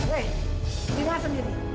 hei dengar sendiri